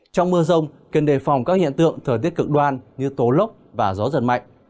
trong mưa rông cần đề phòng các hiện tượng thời tiết cực đoan như tố lốc và gió giật mạnh